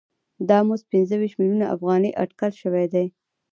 دا مزد پنځه ویشت میلیونه افغانۍ اټکل شوی دی